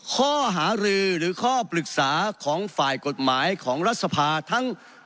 ข้อหารือหรือข้อปรึกษาของฝ่ายกฎหมายของรัฐสภาทั้ง